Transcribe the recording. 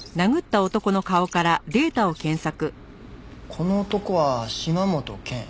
この男は島本健。